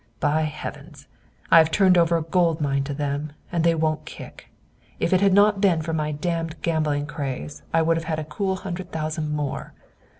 "By Heavens! I have turned over a gold mine to them, and they won't kick. If it had not been for my damned gambling craze I would have had a cool hundred thousand more.